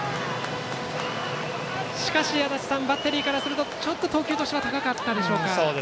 しかし、足達さんバッテリーからするとちょっと投球としては高かったでしょうか。